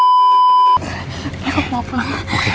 ya kok mau pulang